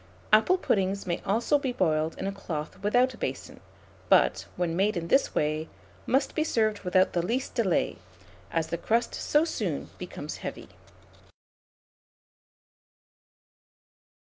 Apple puddings may also be boiled in a cloth without a basin; but, when made in this way, must be served without the least delay, as the crust so soon becomes heavy.